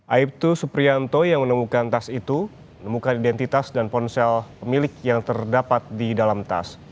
aibtu suprianto yang menemukan tas itu menemukan identitas dan ponsel milik yang terdapat di dalam tas